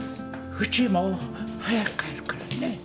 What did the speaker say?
ウチへも早く帰るからね。